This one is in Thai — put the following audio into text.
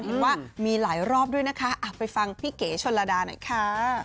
เห็นว่ามีหลายรอบด้วยนะคะไปฟังพี่เก๋ชนระดาหน่อยค่ะ